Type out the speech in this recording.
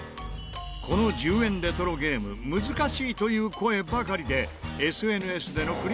この１０円レトロゲーム難しいという声ばかりで。